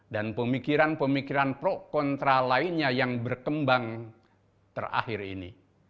dan pemikiran pemikiran pro kontra lainnya yang berkembang terakhir ini